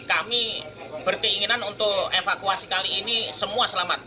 kami berkeinginan untuk evakuasi kali ini semua selamat